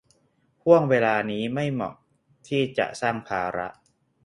ห้วงเวลานี้ไม่เหมาะที่จะสร้างภาระ